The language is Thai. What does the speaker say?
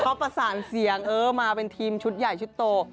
เขาประสานเสียงเออมาเป็นทีมชุดใหญ่ชุดโต